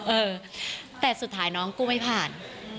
เออแต่สุดท้ายน้องกู้ไม่ผ่าน